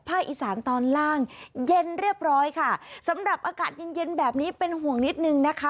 อีสานตอนล่างเย็นเรียบร้อยค่ะสำหรับอากาศเย็นเย็นแบบนี้เป็นห่วงนิดนึงนะคะ